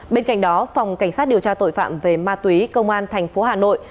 bên cạnh đó phòng cảnh sát điều tra tội phạm về ma túy công an tp hà nội